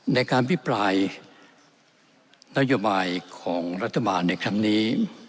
ในการพิปรายนโยบายของรัฐบาลในครั้งนี้